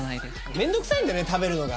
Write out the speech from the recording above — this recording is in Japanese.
面倒くさいんだね食べるのが。